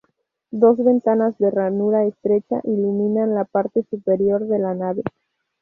Dos ventanas de ranura estrecha iluminan la parte superior de la nave.